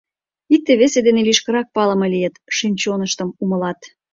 Икте-весе дене лишкырак палыме лийыт, шӱм-чоныштым умылат.